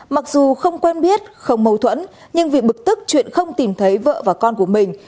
mặc dù không quen biết không mâu thuẫn nhưng vì bực tức chuyện không tìm thấy vợ và con của mình